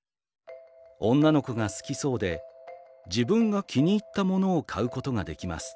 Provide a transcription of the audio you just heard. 女の子が好きそうで自分が気に入ったものを買うことができます。